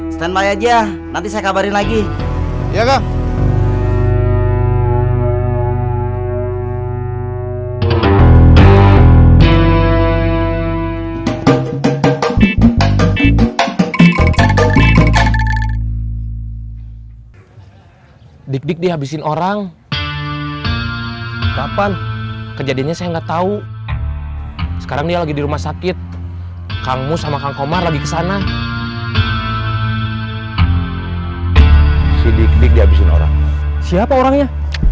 sampai jumpa di video selanjutnya